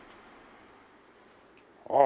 ああ！